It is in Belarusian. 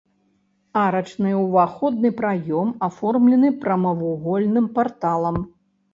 Арачны ўваходны праём аформлены прамавугольным парталам.